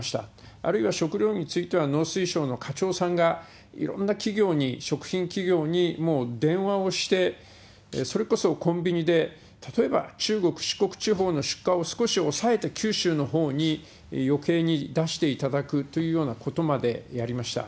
あるいは、食料については、農水省の課長さんが、いろんな企業に、食品企業にもう電話をして、それこそコンビニで、例えば中国、四国地方の出荷を少し抑えて九州のほうによけいに出していただくというようなことまでやりました。